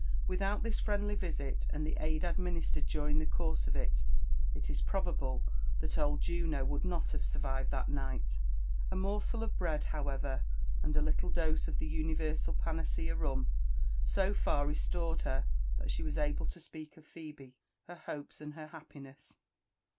Withi 6iut this friendly visit, and the aid adminislei^ed during the course of H, It is prohabte diat old Jmio would not have survived that night. A i ffiOrsel of bread, however, and a' llille dose of the universal panacea, I f bm , sb fai* restored her, that she was able to speak of Ph^be, h^ hsf^ ] iM her happiness.